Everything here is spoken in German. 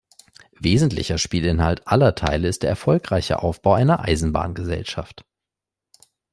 Wesentlicher Spielinhalt aller Teile ist der erfolgreiche Aufbau einer Eisenbahngesellschaft.